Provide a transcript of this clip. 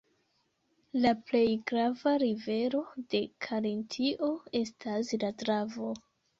La plej grava rivero de Karintio estas la Dravo.